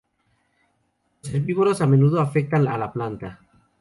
Los herbívoros a menudo afectan a la planta.